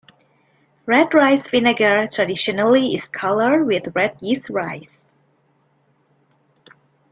Red rice vinegar traditionally is colored with red yeast rice.